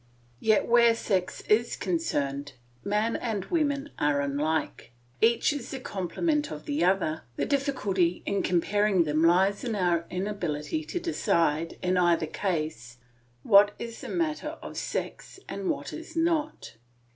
Yet where sex is concerned man and woman are unlike; each is the complement of the other; the difficulty in comparing them lies in our inability to decide, in either case, what is a matter of sex, and what is not.